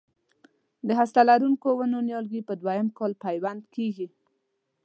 د هسته لرونکو ونو نیالګي په دوه یم کال پیوند کېږي.